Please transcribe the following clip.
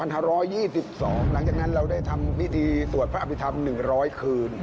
หลังจากนั้นเราได้ทำพิธีสวดพระอภิษฐรรม๑๐๐คืน